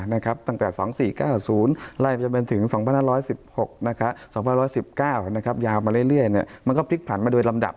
ตั้งแต่๒๔๙๐ไล่ไปจนเป็นถึง๒๕๑๖๒๑๙ยาวมาเรื่อยมันก็พลิกผันมาโดยลำดับ